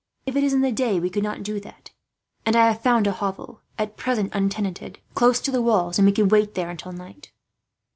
If it is in the day we could not do that; and I have found a hovel, at present untenanted, close to the walls, and we could wait there until night."